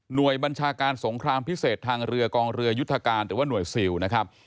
โดยบัญชาการสงครามพิเศษทางเรือกองเรือยุทธการหรือว่าหน่วยซิลนะครับ